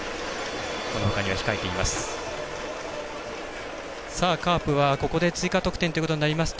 このほかには控えています。